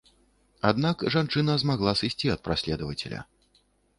Аднак жанчына змагла сысці ад праследавацеля.